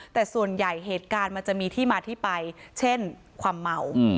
แต่ส่วนใหญ่เหตุการณ์มันจะมีที่มาที่ไปเช่นความเมา